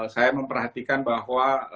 saya memperhatikan bahwa